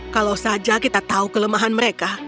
kalau saja kita tahu kelemahan mereka